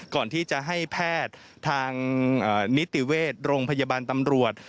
ก่อนที่จะให้แพทย์ทางนิติเวชโรงพยาบาลตำรวจ